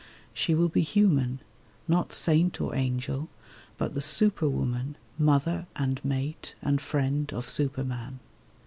She will be human— Not saint or angel, but the superwoman— Mother and mate and friend of superman.